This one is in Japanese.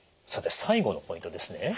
さて最後のポイントですね。